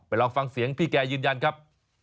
ลองฟังเสียงพี่แกยืนยันครับ